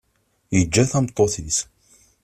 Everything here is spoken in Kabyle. Yeǧǧa tameṭṭut-is.